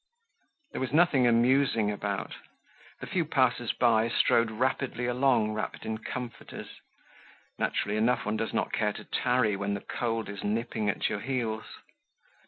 There was nothing amusing about. The few passers by strode rapidly along, wrapped up in comforters; naturally enough one does not care to tarry when the cold is nipping at your heels.